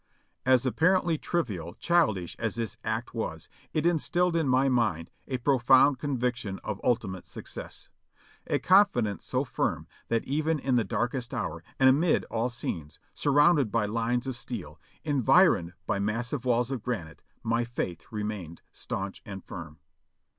As apparently trivial, childish as this act was, it instilled in my mind a profound conviction of ultimate success ; a confidence so firm that even in the darkest hour, and amid all scenes, sur rounded by lines of steel, environed by massive walls of granite, my faith remained staunch and firm.